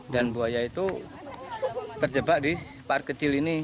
dan buaya itu terjebak di park kecil ini